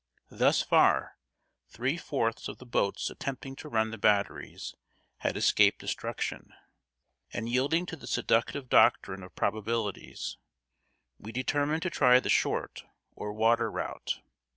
Thus far, three fourths of the boats attempting to run the batteries had escaped destruction; and yielding to the seductive doctrine of probabilities, we determined to try the short, or water route.